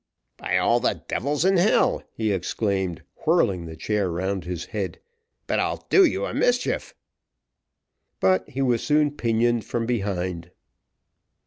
"By all the devils in hell," he exclaimed, whirling the chair round his head, "but I'll do you a mischief!" But he was soon pinioned from behind.